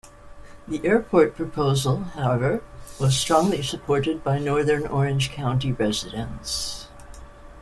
The airport proposal, however, was strongly supported by Northern Orange County residents.